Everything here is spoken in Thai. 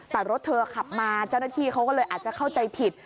แต่รถเธอขับมาเจ้าหน้าที่เขาก็เลยอาจจะเข้าใจผิด